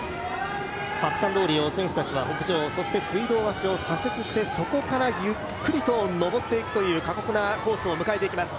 白山通りを選手たちは北上そして水道橋を左折して、そこからゆっくりと上っていくという過酷なコースを迎えていきます